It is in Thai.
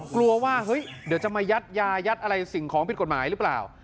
กลัวว่าเฮ้ยเดี๋ยวจะมายัดยายัดอะไรสิ่งของผิดกฎหมายหรือเปล่า